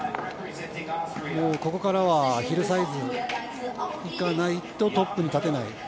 ここからはヒルサイズ行かないとトップに立てない。